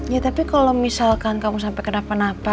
ya tapi kalau misalkan kamu sampai kenapa napa